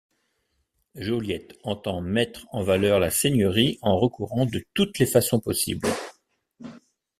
Joliette entend mettre en valeur la seigneurie en recourant de toutes les façons possibles.